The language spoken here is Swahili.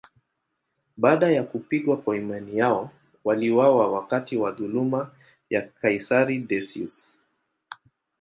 Baada ya kupigwa kwa imani yao, waliuawa wakati wa dhuluma ya kaisari Decius.